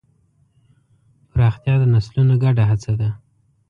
پراختیا د نسلونو ګډه هڅه ده.